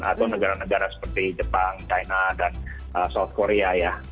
atau negara negara seperti jepang china dan south korea ya